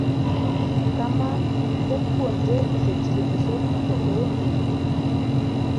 Kama japuonjre osetieko somo to oonge gi